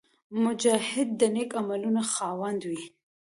مجاهد د نېک عملونو خاوند وي.